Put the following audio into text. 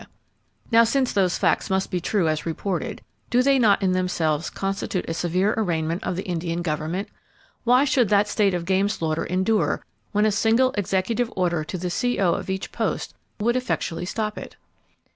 [Page 191] Now, since those facts must be true as reported, do they not in themselves constitute a severe arraignment of the Indian government? Why should that state of game slaughter endure, when a single executive order to the C.O. of each post would effectually stop it?